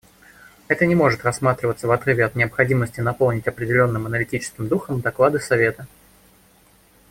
Это не может рассматриваться в отрыве от необходимости наполнить определенным аналитическим духом доклады Совета.